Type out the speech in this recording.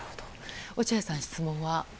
落合さん、質問は？